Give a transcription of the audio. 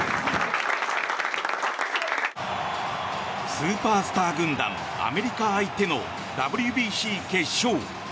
スーパースター軍団アメリカ相手のＷＢＣ決勝。